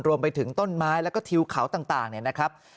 รวมไปถึงต้นไม้แล้วก็ทิวเขาต่างเนี่ยนะครับ